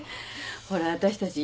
ほら私たち